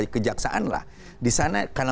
kejaksaan lah di sana karena